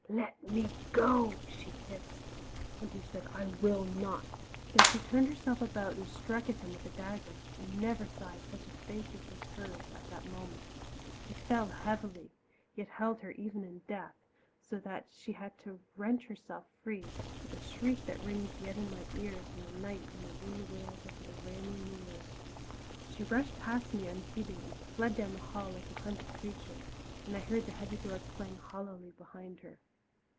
"Let me go!" she hissed. And he said, "I will not." Then she turned herself about and struck at him with the dagger and never saw I such a face as was hers at the moment. He fell heavily, yet held her even in death, so that she had to wrench herself free, with a shriek that rings yet in my ears on a night when the wind wails over the rainy moors. She rushed past me unheeding, and fled down the hall like a hunted creature, and I heard the heavy door clang hollowly behind her.